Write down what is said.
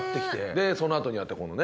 でそのあとにやったこのね。